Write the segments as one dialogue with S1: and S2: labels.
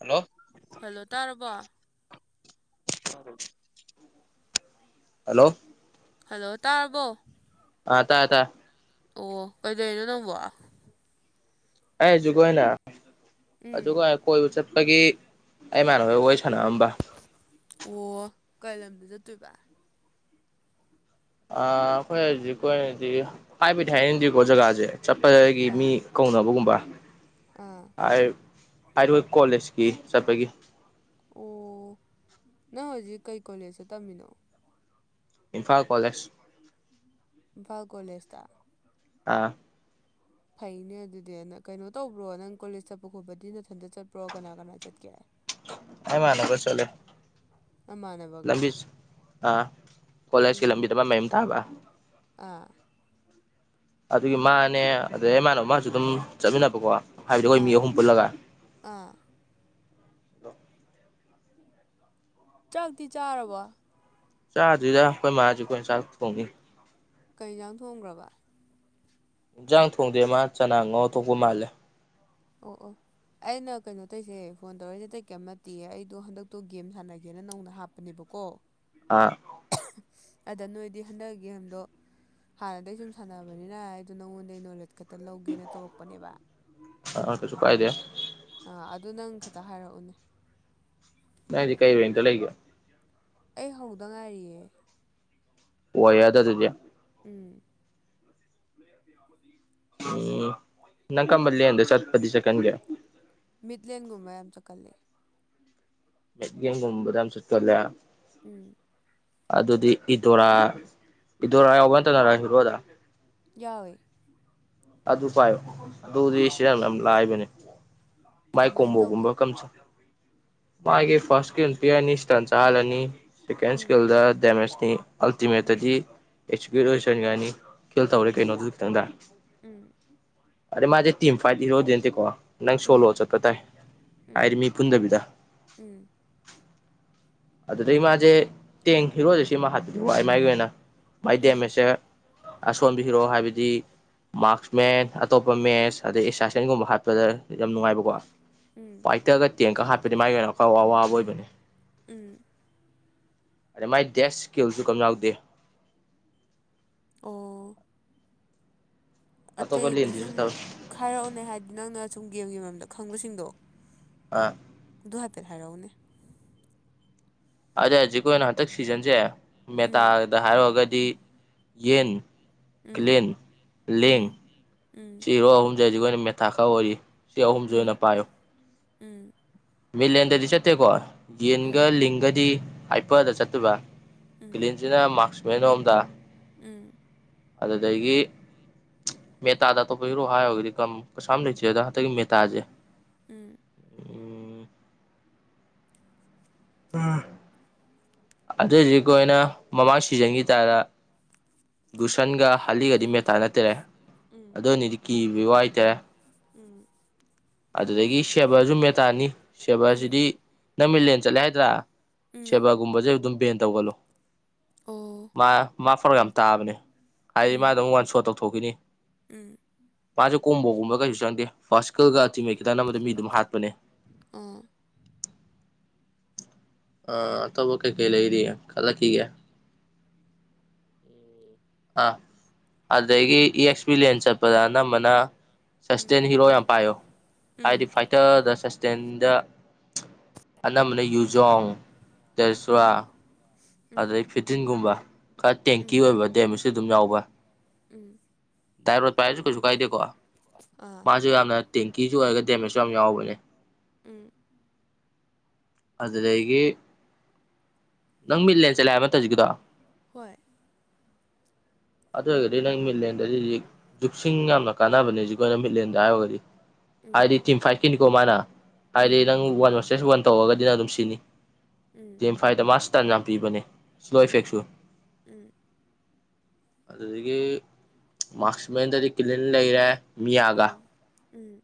S1: Hello
S2: hello ꯇꯥꯔꯕꯣ꯫
S1: Hello
S2: hello ꯇꯥꯔꯕꯣ꯫
S1: ꯑ ꯇꯥꯏ ꯑ ꯇꯥꯏ
S2: ꯑꯣ ꯀꯩꯗꯧꯅꯣ ꯅꯪꯕꯣ꯫
S1: ꯑꯦꯖꯒꯣꯏꯅ
S2: ꯎꯝ
S1: ꯑꯗꯨꯒꯥ ꯀꯣꯏꯕ ꯆꯠꯄꯒꯤ ꯑꯩꯃꯥꯟꯅꯕꯣꯏ ꯋꯥꯔꯤ ꯁꯥꯟꯅꯔꯝꯕ꯫
S2: ꯑꯣ ꯀꯩ ꯂꯝꯗ ꯆꯠꯇꯨꯏꯕ꯫
S1: ꯑ ꯑꯈꯣꯏ ꯍꯧꯖꯤꯛꯀꯤ ꯑꯣꯏꯅꯗꯤ ꯍꯥꯏꯕꯗꯤ ꯍꯥꯏꯅꯤꯡꯗꯦꯀꯣ ꯖꯒꯥꯖꯦ ꯆꯠꯄꯗꯒꯤ ꯃꯤ
S2: ꯑꯥ
S1: ꯀꯧꯅꯕꯒꯨꯝꯕ
S2: ꯑꯥ
S1: ꯍꯥꯏꯔꯣꯏ ꯀꯣꯂꯦꯖꯀꯤ ꯆꯠꯄꯒꯤ
S2: ꯑꯣ ꯅꯪ ꯍꯧꯖꯤꯛ ꯀꯩ ꯀꯣꯂꯦꯖꯇ ꯇꯝꯃꯤꯅꯣ
S1: ꯏꯝꯐꯥꯜ ꯀꯣꯂꯦꯖ꯫
S2: ꯏꯝꯐꯥꯜ ꯀꯣꯂꯦꯁꯗ꯫
S1: ꯑꯥ
S2: ꯐꯩꯅꯦ ꯑꯗꯨꯗꯤ ꯅꯪ ꯀꯩꯅꯣ ꯇꯧꯕ꯭ꯔꯣ ꯅꯪ ꯀꯣꯂꯦꯖ ꯆꯠꯄ ꯈꯣꯠꯄꯗꯤ ꯅꯊꯟꯇ ꯆꯠꯄ꯭ꯔꯣ ꯀꯅꯥ ꯀꯅꯥ ꯆꯠꯀꯦ꯫
S1: ꯑꯃꯥꯟꯅꯕ ꯆꯂꯦ
S2: ꯑꯃꯟꯅꯕ
S1: ꯂꯝꯕꯤ ꯑꯥ ꯀꯣꯂꯦꯖꯀꯤ
S2: ꯎꯝ
S1: ꯂꯝꯕꯤꯗ ꯃ ꯃꯌꯨꯝ ꯇꯥꯕ
S2: ꯑꯥ
S1: ꯑꯗꯨꯒꯤ ꯃꯥꯅꯦ ꯑꯗꯩ ꯃꯥꯅ ꯃꯥꯁꯨ ꯑꯗꯨꯝ ꯆꯠꯃꯤꯟꯅꯕꯀꯣ ꯍꯥꯏꯕꯗꯤ ꯑꯈꯣꯏ ꯃꯤ
S2: ꯑꯥ
S1: ꯑꯍꯨꯝ ꯄꯨꯜꯂꯒ꯫
S2: ꯑꯥ ꯆꯥꯛꯇꯤ ꯆꯥꯔꯕꯣ
S1: ꯆꯥꯗꯨꯗ ꯑꯩꯈꯣꯏ ꯃꯥꯁꯨ ꯑꯩꯈꯣꯏꯅ ꯆꯥꯛ ꯊꯣꯡꯏꯤ
S2: ꯀꯩ ꯖꯥꯡ ꯊꯣꯡꯒ꯭ꯔꯥꯕ꯫
S1: ꯌꯦꯟꯖꯥꯡ ꯊꯣꯡꯗꯦ ꯃꯥ ꯆꯅꯥ ꯉꯧꯔ ꯇꯣꯛꯄ ꯃꯥꯜꯂꯦ꯫
S2: ꯑꯣ ꯑꯣ ꯑꯩꯅ ꯀꯩꯅꯣ ꯇꯧꯁꯦ ꯐꯣꯟ ꯇꯧꯔꯛꯏꯁꯦ ꯇꯩ ꯀꯩꯝ ꯅꯠꯇꯦ ꯑꯩꯗꯣ ꯍꯟꯗꯛꯇꯣ ꯒꯦꯝ ꯁꯥꯟꯅꯒꯦꯅ ꯅꯧꯅ ꯍꯥꯞꯄ ꯅꯦꯕꯀꯣ [inaudible]
S1: ꯑꯥ
S2: ꯑꯗ ꯅꯣꯏꯗꯤ ꯍꯟꯗꯛꯒꯤ ꯍꯟꯗꯣ ꯍꯥꯟꯅꯗꯏꯖꯨꯝ ꯁꯥꯟꯅꯕꯅꯤꯅ ꯑꯩꯗꯣ ꯅꯉꯣꯟꯗꯩ ꯅꯣꯂꯦꯠ ꯈꯛꯇ ꯂꯧꯒꯦꯅ ꯇꯧꯔꯛꯄꯅꯦꯕ꯫
S1: ꯑ ꯀꯩꯁꯨ ꯀꯥꯏꯗꯦ
S2: ꯑꯥ ꯑꯗꯨ ꯅꯪ ꯈꯤꯇ ꯍꯥꯏꯔꯛꯎꯅꯦ꯫
S1: ꯅꯪꯗꯤ ꯀꯩ ꯔꯦꯟꯇ ꯂꯩꯒꯦ꯫
S2: ꯑꯩ ꯍꯧꯗ ꯉꯥꯏꯔꯤꯌꯦ꯫
S1: ꯋꯥ ꯌꯥꯗ ꯑꯗꯨꯗꯤ
S2: ꯎꯝ
S1: ꯎꯝ ꯅꯪ ꯀꯝꯕꯜꯂꯤꯦꯟꯟꯦ ꯆꯠ ꯄꯗꯤ ꯁꯦꯀꯟꯒ
S2: ꯃꯤꯠꯂꯦꯟ ꯨꯃꯏ ꯌꯥꯝ ꯆ ꯀꯜꯂ
S1: ꯃꯠꯒꯨꯝꯕꯗꯝ ꯁꯠꯂ
S2: ꯎꯝ
S1: ꯑꯗꯨꯗꯤ ꯏꯗꯣꯔꯥ ꯏꯗꯣꯔꯥ ꯌꯥꯎꯕ ꯅꯠꯇꯅꯔ ꯍꯤꯔꯣꯗ
S2: ꯌꯥꯎꯋꯦ
S1: ꯑꯗꯨ ꯑꯗꯨ ꯄꯥꯏꯌꯣ ꯑꯗꯨꯗꯁ ꯆꯥꯡ ꯌꯥꯝ ꯂꯥꯏꯕꯅꯦ ꯃꯥꯏ
S2: ꯀꯃꯥꯏꯅ ꯇꯧꯒꯦ
S1: ꯀꯣꯝꯕꯣꯒꯨꯝꯕ ꯀꯝꯁ ꯃꯥꯒꯤ ꯐꯥꯔꯁ ꯏꯁꯀꯜ ꯄꯤꯔꯅꯤ ꯏꯁꯇꯟ ꯆꯥꯍꯜꯂꯅꯤ ꯁꯦꯀꯦꯟ
S2: ꯎꯝ
S1: ꯏꯁꯀꯤꯜꯗ ꯗꯦꯃꯦꯖꯅꯤ
S2: ꯎꯝ
S1: ꯑꯜꯇꯤꯃꯦꯠꯇꯗꯤ ꯑꯦꯛꯖꯤꯀ꯭ꯌꯨꯠ ꯑꯣꯏꯁꯟꯒꯅꯤ ꯐꯦꯜ ꯇꯧꯔꯦ
S2: ꯎꯝ
S1: ꯀꯩꯅꯣꯗꯨ ꯈꯤꯇꯪꯗ
S2: ꯎꯝ
S1: ꯑꯗꯩꯩ ꯃꯥꯖꯤ ꯇꯤꯝ ꯐꯥꯏꯠ ꯍꯔꯣꯗꯤ ꯅꯥꯇꯦ ꯀꯣ ꯅꯪ ꯁꯣꯂꯣ
S2: ꯎꯝ
S1: ꯆꯄ ꯇꯥꯏ ꯑ
S2: ꯎꯝ
S1: ꯃꯤ ꯄꯨꯟꯗꯕꯤꯗ꯫
S2: ꯎꯝ
S1: ꯑꯗꯨꯗꯩ ꯏ ꯃꯥꯁꯦ ꯇꯦꯡ ꯍꯤꯔꯣꯁꯦ ꯁꯤꯃ ꯍꯥꯄꯗꯤ ꯋꯥ ꯃꯥꯥꯏꯒꯤ ꯑꯣꯏꯅ ꯃꯥꯥꯏ
S2: ꯎꯝ
S1: ꯗꯦꯃꯦꯖꯁꯦ ꯑꯁꯣꯟꯕꯤꯔꯣꯑꯣ ꯍꯥꯏꯕꯗꯤ ꯃꯥꯔꯁ ꯃꯦꯟ ꯑꯇꯣꯞꯄ ꯃꯦꯠꯁ ꯑꯗꯩ ꯑꯦꯁꯥꯏꯁꯟꯒꯨꯝꯕ ꯍꯥꯠꯄꯗ ꯌꯥꯝ ꯅꯨꯡꯉꯥꯏꯕꯀꯣ
S2: ꯎꯝ
S1: ꯐꯥꯏꯇꯔꯒ ꯇꯦꯡꯀ ꯍꯥꯞꯄꯗꯤ ꯃꯥꯒꯤ ꯑꯣꯏꯅ ꯑꯋꯥꯕ ꯑꯣꯏꯕꯅꯦ
S2: ꯎꯝ
S1: ꯑꯗꯩ ꯃꯥꯏ ꯗꯦꯁ ꯁ꯭ꯀꯤꯜꯁꯨ ꯀꯝ ꯌꯥꯎꯗꯦ
S2: ꯑꯣ
S1: ꯑꯇꯣꯞꯄ
S2: ꯑꯇꯩꯗꯤ
S1: ꯂꯦꯟꯗꯤꯁꯨ
S2: ꯁꯨꯝ
S1: ꯇꯧꯋꯤ
S2: ꯈꯥꯏꯔꯛꯎꯅꯦ ꯍꯥꯏꯗꯤ ꯅꯪꯅ ꯁꯨꯝ ꯒꯦꯝꯒꯤ ꯃꯔꯝꯗ ꯈꯪꯕꯁꯤꯡꯗꯣ꯫
S1: ꯑꯥ
S2: ꯗꯨ ꯍꯥꯐꯠ ꯍꯥꯏꯔꯛꯎꯅꯦ
S1: ꯑꯗ ꯍꯧꯖꯤꯛ ꯑꯣꯏꯅ ꯍꯟꯗꯛ ꯁꯤꯖꯟꯁꯦ ꯃꯦꯇꯥ
S2: ꯎꯝ
S1: ꯗ ꯍꯥꯏꯔꯨꯔꯒꯗꯤ ꯌꯦꯟ
S2: ꯎꯝ
S1: ꯀ꯭ꯂꯤꯟ ꯂꯦꯡ
S2: ꯎꯝ ꯎꯝ
S1: ꯁꯤꯔꯣ ꯑꯍꯨꯝꯁꯦ ꯍꯧꯁꯤꯛ ꯑꯩꯈꯣꯏ ꯑꯣꯏꯅ ꯃꯦꯊꯥ ꯈꯔ ꯑꯣꯏꯔꯤ ꯁꯤ ꯑꯍꯨꯝꯁꯦ ꯑꯣꯏꯅ
S2: ꯎꯝ
S1: ꯄꯥꯏꯌꯣ꯫
S2: ꯎꯝ
S1: ꯃꯤꯂꯦꯟꯗꯗꯤ ꯆꯠꯇꯦꯀꯣ ꯌꯦꯟꯒ
S2: ꯎꯝ
S1: ꯂꯤꯡꯒꯗꯤ ꯍꯥꯏꯄꯗ ꯆꯠꯇꯕ꯭ꯔꯥ
S2: ꯎꯝ ꯎꯝ
S1: ꯕꯂꯤꯟꯁꯤꯅ ꯃꯥꯛꯁ ꯃꯦꯟꯝꯗ
S2: ꯎꯝ
S1: ꯑꯗꯨꯗꯒꯤ [inaudible] ꯃꯦꯇꯥꯗ ꯑꯇꯣꯞꯄ ꯍꯤꯔꯣ ꯍꯥꯏꯔꯣꯒꯗꯤ ꯀꯩꯁꯥꯝ ꯂꯩꯇꯦ ꯑꯗꯣ ꯍꯟꯗꯛꯀꯤ ꯃꯦꯇꯥꯖꯦ
S2: ꯎꯝ
S1: ꯖꯃꯝꯝ ꯎ ꯑꯗꯨꯏꯖꯤ ꯑꯩꯅ ꯃꯃꯥꯡ ꯁꯤꯖꯟꯈꯤ ꯇꯥꯔ ꯒꯨꯁꯟꯒ ꯍꯂꯤꯒꯗꯤ ꯃꯦꯇꯥ ꯅꯠꯇꯔꯦ ꯑꯗꯨꯅꯤꯗꯤ ꯀꯤꯕ ꯋꯥꯏꯇꯔꯦ
S2: ꯎꯝ꯫
S1: ꯑꯗꯨꯗꯒꯤ ꯁꯦꯕꯁꯨ ꯃꯦꯇꯥꯅꯤ
S2: ꯎꯝ ꯎꯝ
S1: ꯁꯦꯕꯁꯤꯗꯤ ꯅꯪ ꯃꯤꯂꯦꯟ ꯆꯠꯂꯦ ꯍꯥꯏꯗ꯭ꯔꯥ
S2: ꯎꯝ
S1: ꯁꯦꯕꯥꯒꯨꯝꯕꯁꯦ ꯑꯗꯨꯝ ꯕꯦꯟ ꯇꯧꯒꯅꯨ
S2: ꯑꯣ
S1: ꯃꯥ ꯃꯥ ꯈꯔꯥꯌꯥꯝ꯫ ꯇꯥꯕꯅꯦ ꯍꯥꯏꯗꯤ
S2: ꯎꯝ
S1: ꯃꯥꯗ ꯑꯃꯨꯛ ꯋꯥꯟ ꯁꯣ ꯇꯧꯊꯣꯛꯈꯤꯅꯤ
S2: ꯎꯝ
S1: ꯃꯥꯁꯨꯦ ꯀꯣꯝꯕꯒꯨꯝꯕ ꯀꯩꯁꯨ ꯆꯪꯗꯦ ꯐꯥꯔꯁꯀꯜꯒ ꯑꯇꯤꯉꯩ ꯈꯤꯇꯪ ꯅꯝꯕꯗ ꯃꯤ ꯑꯗꯨꯝ ꯍꯥꯠꯄꯅꯦ
S2: ꯑꯥ
S1: ꯑ ꯇꯧꯕꯣ ꯀꯦ ꯀꯦꯂ ꯏꯔꯤ ꯀꯂ ꯀꯒ [inaudible] ꯎꯝ ꯑꯥꯐ ꯑꯗꯒꯤ ꯏ ꯑꯦꯛꯁ ꯂꯤꯟ ꯆꯠꯄꯗ ꯑꯅꯝꯕꯅ
S2: ꯎꯝ
S1: ꯁꯁꯇꯦꯟ ꯍꯤꯔꯣ ꯌꯥꯝ ꯄꯥꯏꯌꯣ ꯍꯥꯏꯗꯤ
S2: ꯎꯝ
S1: ꯐꯥꯏꯇꯔꯗ ꯇꯦꯟꯗ ꯑꯅꯝꯕꯅ ꯌꯨꯖꯣꯡ꯫ ꯇꯦꯁ꯭ꯋꯥ
S2: ꯎꯝ
S1: ꯑꯗꯩ ꯐꯤꯇꯤꯟꯒꯨꯝꯕ ꯈꯔ ꯇꯦꯡꯀꯤ
S2: ꯎꯝ
S1: ꯑꯣꯏꯕ ꯗꯦꯝꯁꯨ ꯑꯗꯨꯝ ꯌꯥꯎꯕ
S2: ꯎꯝ
S1: ꯗꯥꯏꯔꯣ ꯄꯥꯏꯔꯁꯨ ꯀꯩꯁꯨ ꯀꯥꯏꯗꯦꯀꯣ
S2: ꯑꯥ
S1: ꯃꯥꯁꯨ ꯌꯥꯝꯅ ꯀꯤꯁꯨ ꯑꯣꯏꯔꯒ ꯗꯦꯃꯦꯖꯁꯨ ꯌꯥꯝ ꯌꯥꯎꯕꯅꯦ
S2: ꯎꯝ
S1: ꯑꯗꯨꯗꯒꯤ ꯅꯪ ꯃꯤꯠꯂꯦꯟ ꯆꯂꯦꯕ ꯃꯇꯝꯧꯖꯤꯒꯤꯗꯣ
S2: ꯍꯣꯏ
S1: ꯑꯗꯨ ꯑꯣꯏꯔꯒꯗꯤ ꯅꯪ ꯃꯤꯠꯂꯦꯟꯗꯗꯤ ꯍꯧꯖꯤꯛ ꯖꯨꯛꯁꯤꯡ ꯌꯥꯝꯅ ꯀꯥꯟꯅꯕꯅꯦꯖꯤ ꯑꯩꯣꯏꯅ ꯃꯤꯠꯂꯦꯟꯗ ꯍꯥꯏꯔꯒꯗꯤ
S2: ꯎꯝ
S1: ꯍꯥꯏꯗꯤ ꯇꯤꯝ ꯐꯥꯏꯚꯀꯤꯅꯤꯀꯣ ꯃꯥꯅ ꯍꯥꯏꯗꯤ
S2: ꯎꯝ
S1: ꯅꯪ ꯋꯥꯟ ꯇꯦꯁ ꯋꯥꯟ ꯇꯧꯔꯒꯗꯤꯅ ꯑꯗꯨꯝ ꯁꯤꯅꯤ
S2: ꯎꯝ
S1: ꯗꯦꯟꯦꯝ ꯐꯥꯏꯗ ꯃꯥꯔꯁ ꯇꯟ ꯌꯥꯝ ꯄꯤꯕꯅꯦ ꯁ꯭ꯂꯣ
S2: ꯎꯝ
S1: ꯏꯐꯦꯛꯁꯨ
S2: ꯎꯝ
S1: ꯑꯗꯨꯗꯒꯤ ꯃꯥꯛꯁꯃꯦꯟꯗꯗꯤ ꯀꯤꯂꯤꯟ ꯂꯩꯔꯦ ꯃꯤꯌꯥꯒ
S2: ꯎꯝ ꯎꯝ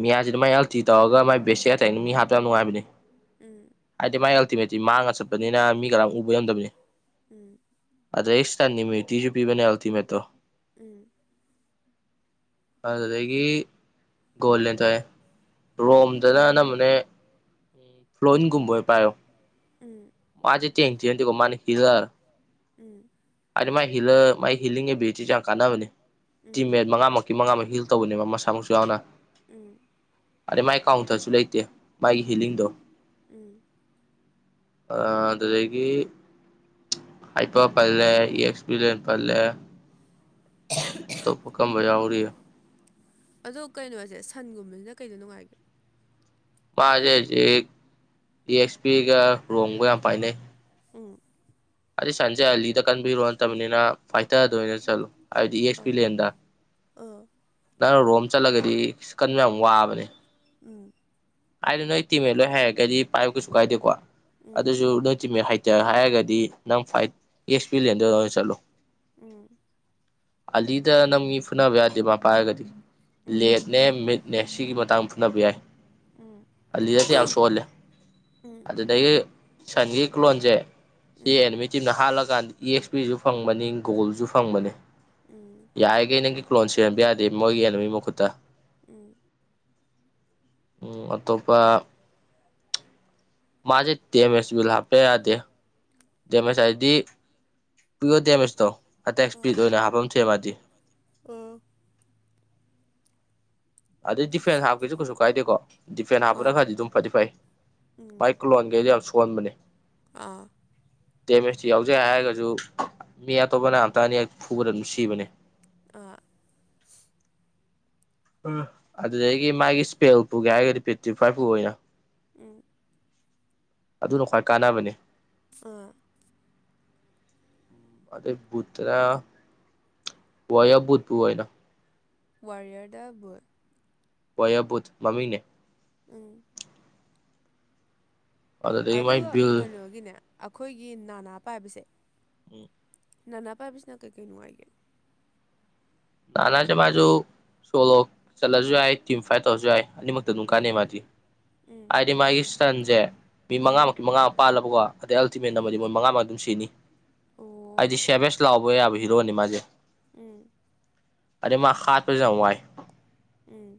S1: ꯃꯤꯌꯥꯁꯤ ꯃꯥꯏ ꯑꯜꯇꯤ ꯇꯧꯔꯒ ꯃꯥꯏ ꯕꯦꯠꯁꯦ ꯑꯇꯥ ꯃꯤ ꯍꯥꯞꯇ ꯌꯥꯝ ꯅꯨꯡꯉꯥꯏꯕꯅꯦ
S2: ꯎꯝ ꯎꯝ
S1: ꯍꯥꯏꯗꯤ ꯃꯥꯏ ꯑꯜꯇꯤꯃꯦꯠꯇꯤ ꯃꯥꯡꯉꯒ ꯆꯠꯄꯅꯤꯅ ꯃꯤ ꯀꯔ ꯎꯕ ꯌꯝꯗꯕꯅꯤ
S2: ꯎꯝ
S1: ꯑꯗ ꯑꯩ ꯏꯁꯇꯟ ꯅꯤꯃꯤ꯭ꯌꯨꯇꯤꯁꯨ ꯄꯤꯕꯅꯦ ꯑꯜꯇꯤꯃꯦꯇꯣ
S2: ꯎꯝ꯫
S1: ꯑꯗꯨꯗꯒꯤ ꯣꯜꯅꯦ ꯇ ꯔꯣꯝ [inaudible] ꯑꯗꯨꯖꯅ ꯑꯅꯝꯕꯅꯦ ꯀꯣꯉꯨꯝꯕ ꯑꯣꯏꯅ ꯄꯥꯏꯌꯣ
S2: ꯎꯝ
S1: ꯃꯥꯗꯤ ꯇꯦꯡ ꯄꯤꯅꯗꯦꯀꯣ ꯃꯥꯗꯤ ꯄꯤꯂꯥꯔ
S2: ꯎꯝ
S1: ꯑꯗꯤ ꯃꯥ ꯍ ꯃꯥꯥꯏ ꯍꯤꯂꯤꯡ ꯑꯦꯕꯤꯂꯤꯇꯤꯤꯁꯦ ꯌꯥꯝ ꯀꯥꯟꯅꯕꯅꯦ
S2: ꯎꯝ
S1: ꯇꯤꯝꯃꯦꯠ ꯃꯉꯥꯃ ꯃꯉꯥ ꯑꯃ ꯍꯤꯜ ꯇꯧꯕꯅꯦꯕ ꯃꯁꯥꯃꯛꯁꯨ ꯌꯥꯎꯅ
S2: ꯎꯝ
S1: ꯑꯗꯩ ꯃꯥꯏ ꯀꯥꯎꯟꯇꯔꯁꯨ ꯂꯩꯇꯦ ꯃꯥꯒꯤ
S2: ꯎꯝ
S1: ꯍꯤꯂꯤꯡꯗꯣ
S2: ꯎꯝ
S1: ꯑꯗꯨꯗꯒꯤ ꯍꯥꯏꯄ ꯄꯜꯂꯦ ꯑꯦꯛꯁꯄꯤꯔꯤꯟ ꯄꯜꯂꯦ ꯇꯕꯨ ꯀꯝ ꯖꯥ ꯎꯔꯤ
S2: ꯑꯗꯣ ꯀꯩꯅꯣꯁꯦ ꯁꯟꯒꯨꯝꯕꯁꯤꯅ ꯀꯩꯗ ꯅꯨꯡꯉꯥꯏꯒꯦ
S1: ꯃꯥꯁꯦ ꯍꯧꯖꯤꯛ ꯇꯗꯤ ꯑꯦꯁꯄꯤꯤꯒ ꯔꯣꯡꯒ ꯌꯥꯝ ꯄꯥꯏꯅꯩ
S2: ꯎꯝ꯫
S1: ꯑꯗꯨ ꯁꯟꯖꯦ ꯑꯂꯤꯗ ꯀꯟꯕꯤꯔꯣ ꯅꯠꯇꯕꯅꯤꯅ ꯐꯥꯏꯊ ꯑꯣꯏꯅ ꯆꯠꯂꯣ ꯍꯥꯏꯕꯗꯤ ꯑꯦꯛꯁ
S2: ꯑ
S1: ꯄꯤꯂꯦꯟꯗ
S2: ꯑꯥ
S1: ꯅꯪ ꯔꯣꯝ ꯆꯠꯂꯒꯗꯤꯀꯟꯕ ꯌꯥꯝ ꯋꯥꯕꯅꯦ
S2: ꯎꯝ
S1: ꯍꯥꯏꯗ ꯅꯣꯏ ꯇꯤꯃꯦꯠ ꯂꯣꯏ ꯍꯥꯏꯔꯒꯗꯤ ꯄꯥꯏꯕ ꯀꯩꯁꯨ ꯀꯥꯏꯗꯦꯀꯣ
S2: ꯎꯝ
S1: ꯑꯗꯨꯁꯨ ꯅꯣꯏ ꯇꯤꯃꯦꯠ ꯍꯥꯏꯦ ꯔ ꯍꯥꯏꯔꯒꯗꯤ ꯅꯪ ꯐꯥꯏꯠ ꯑꯦꯛꯁꯄꯤꯔꯤꯌꯦꯦꯟꯗꯨ ꯑꯣꯏꯅ ꯆꯠꯂꯨ
S2: ꯎꯝ
S1: ꯑꯂꯤꯗ ꯅꯪꯒꯤ ꯐꯨꯅꯕ ꯌꯥꯗꯦ ꯃꯥ ꯄꯥꯏ ꯍꯥꯏꯔꯒꯗꯤ
S2: ꯎꯝ
S1: ꯂꯦꯠꯅꯦ ꯃꯤꯠ ꯅꯦ ꯁꯤꯒꯤ ꯃꯇꯥꯡ ꯐꯨꯅꯕ ꯌꯥꯏ
S2: ꯎꯝ
S1: ꯑꯂꯤꯗꯁꯁꯦ ꯌꯥꯝ ꯁꯣꯜꯂꯦ
S2: ꯎꯝ
S1: ꯑꯗꯨꯗꯒꯤ ꯁꯟꯒ꯭ꯔꯤ ꯀ꯭ꯂꯣꯟꯖꯦ ꯁꯤ
S2: ꯎꯝ
S1: ꯑꯦꯜꯃꯤꯠ ꯇꯤꯝꯅ ꯍꯥꯜꯂꯀꯥꯟꯗ ꯏ ꯑꯦꯛꯁ ꯄ꯭ꯔꯤꯖꯨ ꯐꯪꯕꯅꯤ ꯒꯣꯜꯖꯨ ꯐꯪꯕꯅꯦ
S2: ꯎꯝ
S1: ꯌꯥꯔꯤꯒꯩ ꯅꯪꯒꯤ ꯀ꯭ꯂꯣꯟ ꯁꯤꯍꯟꯕ ꯌꯥꯗꯦ ꯃꯣꯏꯒꯤ ꯑꯦꯅꯃꯤ ꯃꯈꯨꯠꯇ
S2: ꯎꯝ
S1: ꯎꯝ ꯑꯇꯣꯞꯄ ꯃꯥꯖꯦ ꯇꯦꯝ ꯑꯦꯁꯄꯤꯜ ꯍꯥꯞꯄ ꯌꯥꯗꯦ ꯗꯦꯃꯦꯖ ꯍꯥꯏꯕꯗꯤ ꯄꯨꯌꯣ ꯗꯦꯃꯦꯁꯇꯣ ꯑꯇ ꯑꯦꯛꯁꯄꯤꯠ ꯑꯣꯏꯅ ꯍꯥꯞꯄ ꯑꯃ ꯊꯣꯛꯑꯦ ꯃꯥꯗꯤ
S2: ꯑꯣ
S1: ꯑꯗꯩ ꯗꯤꯐꯦꯟ ꯍꯥꯞꯀꯦꯁꯨ ꯀꯩꯁꯨ ꯀꯥꯏꯗꯦꯀꯣ ꯗꯤꯐꯦꯟ
S2: ꯍꯣꯏ
S1: ꯍꯥꯞꯄꯅ ꯈꯔꯗꯤ ꯑꯗꯨꯝ ꯐꯗꯤ ꯐꯩ
S2: ꯎꯝ
S1: ꯃꯥꯏ ꯀ꯭ꯂꯣꯟ ꯒꯩꯗꯣ ꯌꯥꯝ ꯁꯣꯟꯕꯅꯦ
S2: ꯑꯥ
S1: ꯗꯦꯃꯦꯖꯇꯤ ꯌꯥꯎꯖꯩ ꯍꯥꯏꯔꯒꯁꯨ ꯃꯤ ꯑꯇꯣꯞꯄꯅ ꯑꯝꯇ ꯑꯅꯤꯔꯛ ꯐꯨꯕꯗ ꯑꯗꯨꯝ ꯁꯤꯕꯅꯦ
S2: ꯑꯥ
S1: ꯑ ꯑꯗꯨꯗꯒꯤ ꯃꯥꯒꯤ ꯏꯁꯄꯦꯜ ꯄꯨꯒꯦ ꯍꯥꯏꯔꯒꯗꯤ ꯄꯦꯇꯤꯐꯥꯏꯚ ꯄꯨ ꯑꯣꯏꯅ
S2: ꯎꯝ
S1: ꯑꯗꯨꯅ ꯈ꯭ꯋꯥꯏ ꯀꯥꯟꯅꯕꯅꯤ
S2: ꯑꯥ
S1: ꯑꯗꯩ ꯕꯨꯠꯇꯨꯅ ꯋꯥꯌ꯭ꯔ ꯕꯨꯨꯠ ꯄꯨ ꯑꯣꯏꯅ
S2: ꯋꯥꯔꯔꯤꯌ꯭ꯔꯗ ꯕꯨꯠ
S1: ꯋꯥꯔꯤꯌ꯭ꯔ ꯕꯨꯠ ꯃꯃꯤꯡꯅꯦ
S2: ꯎꯝ
S1: ꯑꯗꯨꯗꯒꯤ ꯃꯥꯏ
S2: ꯑꯗꯨꯒ
S1: ꯕꯤꯜ
S2: ꯀꯩꯅꯣꯒꯤꯅꯦ ꯑꯈꯣꯏꯒꯤ ꯅꯅꯥ ꯄꯥꯏꯕꯁꯦ
S1: ꯎꯝ
S2: ꯅꯅꯥ ꯄꯥꯏꯕꯁꯤꯅ ꯀꯩꯀꯩ ꯅꯨꯡꯉꯥꯏꯒꯦ
S1: ꯅꯥꯅꯥ ꯁꯦ ꯃꯥꯖꯨ ꯁꯣꯂꯣ ꯆꯠꯂꯁꯨ ꯌꯥꯏ ꯇꯤꯝ ꯐꯥꯏꯠ ꯇꯧꯔꯁꯨ ꯌꯥꯏ ꯑꯅꯤꯃꯛꯇ ꯑꯗꯨꯝ
S2: ꯎꯝ
S1: ꯀꯥꯟꯅꯩ ꯃꯥꯗꯤ
S2: ꯎꯝ
S1: ꯍꯥꯏꯗꯤ ꯃꯥꯒꯤ ꯁ꯭ꯇꯟꯖꯦ ꯃꯤ
S2: ꯎꯝ
S1: ꯃꯉꯥꯃꯛꯀꯤ ꯃꯉꯥꯃꯛ ꯄꯥꯜꯂꯕꯀꯣ ꯑꯗꯩ ꯑꯜꯇꯤꯃꯦꯠ
S2: ꯎꯝ
S1: ꯅꯝꯃꯗꯤ ꯃꯣꯏ ꯃꯉꯥꯃꯛ ꯑꯗꯨꯝ ꯁꯤꯅꯤ
S2: ꯑꯣ
S1: ꯍꯥꯏꯗꯤ ꯁꯦꯚꯦꯁ ꯄ꯭ꯂꯥꯎꯕ ꯌꯥꯕ ꯍꯤꯔꯣꯅꯦ ꯃꯥꯖꯦ
S2: ꯎꯝ
S1: ꯑꯗꯩ ꯃꯥ ꯍꯥꯠꯄꯖꯨ ꯌꯥꯝ ꯋꯥꯥꯏ
S2: ꯎꯝ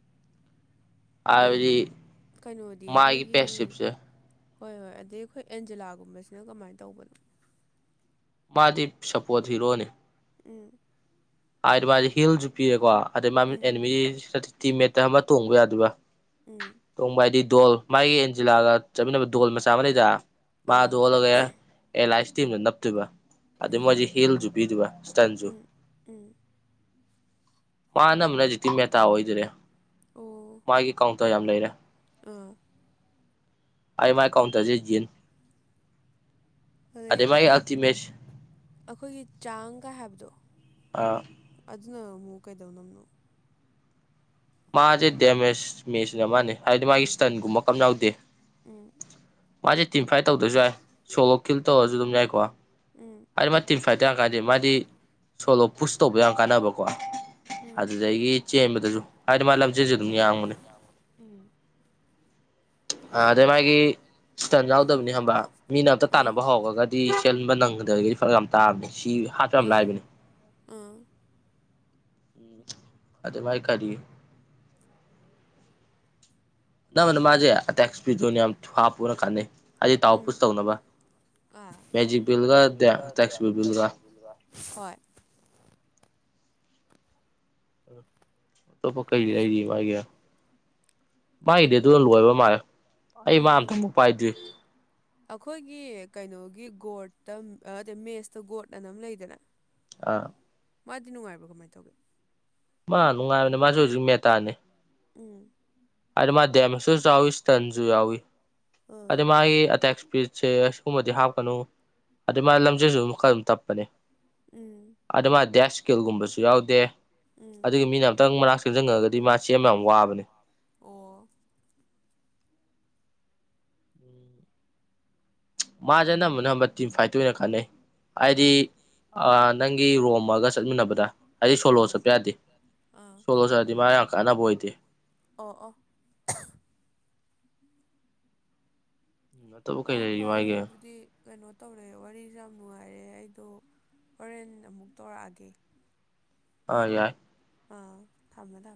S2: ꯑꯗꯒꯤ
S1: ꯍꯥꯏꯕꯗꯤ
S2: ꯀꯩꯅꯣꯗꯤ
S1: ꯃꯥꯒꯤ
S2: ꯑꯈꯣꯏꯒꯤ
S1: ꯄꯦꯁꯤꯞꯁꯦ
S2: ꯍꯣꯏ ꯍꯣꯏ ꯑꯗꯩ ꯑꯈꯣꯏ ꯑꯦꯟꯖꯦꯂꯥꯒꯨꯝꯕꯁꯤꯅ ꯀꯃꯥꯏ ꯇꯧꯕꯅꯣ
S1: ꯃꯥꯗꯤ ꯁꯞꯄꯣꯔꯠ ꯍꯤꯔꯣꯅꯦ
S2: ꯎꯝ
S1: ꯍꯥꯏꯗꯤ ꯃꯥꯗꯤ ꯍꯤꯜꯖꯨ ꯄꯤꯔꯦꯀꯣ ꯑꯗꯩ ꯃꯥ
S2: ꯎꯝ
S1: ꯑꯦꯅꯤꯃꯤ ꯁꯇꯤ ꯇꯤꯝ ꯃꯦꯠꯇ ꯑꯃ ꯇꯣꯡꯕ ꯌꯥꯗꯣꯏꯕ
S2: ꯎꯝ
S1: ꯇꯣꯡꯕ ꯍꯥꯏꯗꯤ ꯗꯣꯜ ꯃꯥꯒꯤ ꯑꯦꯟꯖꯤꯂꯥꯒ ꯆꯠꯃꯤꯟꯅꯕ ꯗꯣꯜ ꯃꯆꯥ ꯑꯃ ꯂꯩꯗ
S2: ꯑꯥ
S1: ꯃꯥꯗꯣ ꯑꯣꯜꯂꯒꯦ ꯑꯦꯂꯥꯏꯁ ꯇꯤꯝꯗ ꯅꯞꯇꯣꯏꯕ ꯑꯗꯨꯏ
S2: ꯎꯝ
S1: ꯃꯣꯏꯖꯨ ꯍꯤꯜꯖꯨ ꯄꯤꯗꯨꯕ ꯏꯁꯇꯟꯖꯨ
S2: ꯎꯝ ꯎꯝ
S1: ꯃꯥꯅꯃꯨꯛ ꯂꯥꯏꯖꯤꯛꯇꯤ ꯃꯦꯇꯥ ꯑꯣꯏꯗꯔꯦ ꯃꯥꯒꯤ ꯀꯥꯎꯟꯠ ꯂꯩꯔꯦ
S2: ꯑ
S1: ꯑꯎ ꯃꯥꯏ ꯀꯥꯎꯟꯇ꯭ꯔꯖꯦ ꯋꯤꯟ
S2: ꯑꯗꯨꯗꯒꯤ
S1: ꯃꯥꯒꯤ
S2: ꯑꯩꯈꯣꯏꯒꯤ
S1: ꯑꯜꯇꯤꯃꯦꯠ
S2: ꯑꯩꯈꯣꯏꯒꯤ ꯆꯥꯡꯀꯥꯏ ꯍꯥꯏꯕꯗꯣ
S1: ꯑꯥ
S2: ꯑꯗꯨꯅ ꯑꯃꯨꯛ ꯀꯩꯗꯧꯅꯕꯅꯣ
S1: ꯃꯥꯖꯦ ꯗꯦꯃꯦꯁ ꯃꯦꯁꯤꯅ ꯑꯃꯅꯦ ꯍꯥꯏꯕꯗꯤ ꯃꯥꯒꯤ ꯏꯁ꯭ꯇꯟꯒꯨꯝꯕ ꯀꯝ ꯌꯥꯎꯗꯦ
S2: ꯎꯝ
S1: ꯃꯥꯖꯦ ꯇꯤꯝ ꯐꯥꯏꯠ ꯇꯧꯗ꯭ꯔꯖꯨ ꯌꯥꯏ ꯁꯣꯂꯣ ꯀꯤꯜ ꯇꯧꯔꯖꯨ ꯑꯗꯨꯝ ꯌꯥꯏꯀꯣ
S2: ꯎꯝ
S1: ꯍꯥꯏꯗꯤ ꯃꯥ ꯇꯤꯟ ꯐꯥꯏꯠꯇ ꯌꯥꯝ ꯀꯥꯟꯅꯗꯦ ꯃꯥꯗꯤ ꯁꯣꯂꯣ ꯄꯨꯁ ꯇꯧꯕ ꯌꯥꯝ ꯀꯥꯟꯅꯕꯀꯣ
S2: ꯎꯝ
S1: ꯑꯗꯨꯗꯒꯤ ꯆꯦꯟꯕꯗꯁꯨ ꯍꯥꯏꯗꯤ ꯃꯥ ꯂꯝꯖꯦꯜꯁꯨ ꯑꯗꯨꯝ ꯌꯥꯡꯕꯅꯦ
S2: ꯎꯝ
S1: [inaudible] ꯑ ꯑꯗꯩ ꯃꯥꯒꯤ ꯏꯁꯇꯟ ꯌꯥꯎꯗꯕꯅꯤ ꯍꯕ ꯃꯤꯅ ꯑꯝꯇ
S2: ꯑꯥ
S1: ꯇꯥꯟꯅꯕ ꯍꯧꯔꯒꯗꯤ ꯗꯤ ꯆꯦꯟꯕ ꯅꯪꯒꯗꯕꯒꯤꯗꯤ ꯐꯔ ꯌꯥꯝ ꯇꯥꯕꯅꯤ ꯁꯤ ꯍꯥꯠꯄ ꯌꯥꯝ
S2: ꯑꯥ
S1: ꯂꯥꯏꯕꯅꯤ
S2: ꯑꯥ
S1: ꯎꯝ ꯑꯗꯨ ꯃꯥꯏ ꯀꯔꯤ ꯅꯝꯕꯅ ꯃꯥꯖꯦ ꯑꯦꯇꯦꯛ ꯑꯦꯁꯄꯤꯠꯇꯨꯅꯦꯝ ꯍꯥꯥꯞ ꯄꯨꯔꯛ ꯀꯥꯟꯅꯩ ꯍꯥꯏꯗꯤ
S2: ꯎꯝ
S1: ꯇꯥꯎꯄꯨꯁ ꯇꯧꯅꯕ
S2: ꯑꯥ
S1: ꯃꯦꯖꯤꯛ ꯕꯤꯜꯒ ꯇꯦꯛꯁ ꯕꯤꯜꯒ
S2: ꯍꯣꯏ
S1: ꯑꯇꯣꯞ ꯀꯩ ꯂꯩꯔꯤ ꯋꯥꯏꯒꯦ ꯃꯥꯒꯤꯗꯤ ꯑꯗꯨ ꯂꯣꯏꯕ ꯃꯥꯜꯂꯦ ꯑꯩ
S2: ꯑꯣ
S1: ꯃꯥ ꯑꯝꯇ ꯄꯥꯏꯗ꯭ꯔꯤ
S2: ꯑꯩꯈꯣꯏꯒꯤ ꯀꯩꯅꯣꯒꯤ ꯒꯣꯔꯠꯇ ꯑꯗ ꯃꯦꯁꯇ ꯒꯣꯔꯠ ꯑꯅꯝ ꯂꯩꯗꯅ
S1: ꯑꯥ
S2: ꯃꯥꯗꯤ ꯅꯨꯡꯉꯥꯏꯕ꯭ꯔꯣ ꯀꯃꯥꯏꯅ ꯇꯧꯒꯦ
S1: ꯃꯥ ꯅꯨꯡꯉꯥꯏꯕꯅꯦ ꯃꯥꯁꯨ ꯍꯧꯖꯤꯛ ꯃꯦꯇꯥꯅꯤ
S2: ꯎꯝ
S1: ꯑꯗ ꯃꯥ ꯗꯦꯃꯦꯁꯠꯁꯨ ꯌꯥꯎꯋꯤ ꯏꯁ꯭ꯇꯟꯁꯨ ꯌꯥꯎꯋꯤ ꯑꯗ
S2: ꯎꯝ
S1: ꯃꯥꯒꯤ ꯑ ꯑꯦꯛꯁꯄꯤ ꯁꯦ ꯁꯤꯒꯨꯝꯕꯗꯤ ꯍꯥꯞꯀꯅꯨ ꯑꯗꯨꯗꯩ ꯃꯥ ꯂꯝꯖꯦꯜꯁꯨ ꯈꯔ ꯑꯗꯨꯝ ꯇꯞꯄꯅꯦ
S2: ꯎꯝ
S1: ꯑꯗꯨ ꯃꯥ ꯗꯦꯁꯀꯤ ꯎꯒꯨꯝꯕꯁꯨ ꯌꯥꯎꯗꯦ
S2: ꯎꯝ
S1: ꯑꯗꯨꯒꯤ ꯃꯤꯅ ꯑꯝꯇꯪ ꯃꯛ ꯁꯦꯝꯁꯤꯟꯉꯒꯗꯤ ꯃꯥ ꯆꯦꯟꯕ ꯌꯥꯝ ꯋꯥꯕꯅꯦ
S2: ꯑꯣ
S1: [inaudible] ꯃꯥꯁꯦ ꯑꯅꯝꯕꯅ ꯑꯃ ꯇꯤꯝ ꯐꯥꯏꯠꯇ ꯑꯣꯏꯅ ꯈꯠꯅꯩ ꯍꯥꯏꯗꯤ
S2: ꯑꯥ
S1: ꯅꯪꯒꯤ ꯔꯣꯝꯃꯒ ꯆꯠꯃꯤꯟꯅꯕꯗ ꯍꯥꯏꯗꯤ ꯁꯣꯂꯣ
S2: ꯑꯥ
S1: ꯆꯠꯄ ꯌꯥꯗꯦ
S2: ꯑꯥ
S1: ꯁꯣꯂꯣ ꯆꯗꯤ ꯃꯥ ꯀꯥꯟꯅꯕꯑꯣꯏ
S2: ꯑꯣ ꯑꯣꯥ
S1: ꯅꯠꯇꯕ ꯀꯩ
S2: ꯑꯣ
S1: ꯂꯩꯔꯤ
S2: ꯐꯔꯦ
S1: ꯃꯥꯒꯤ
S2: ꯑꯗꯨꯗꯤ ꯀꯩꯅꯣ ꯇꯧꯔꯦ ꯋꯥꯔꯤꯁꯨꯦ ꯌꯥꯝ ꯅꯨꯡꯉꯥꯏꯔꯦ ꯑꯩꯗꯣ ꯍꯣꯔꯦꯟ ꯑꯃꯨꯛ ꯇꯧꯔꯛꯑꯒꯦ
S1: ꯑ ꯌꯥꯏ
S2: ꯑꯥ ꯊꯝꯃꯦ ꯊꯝꯃꯦ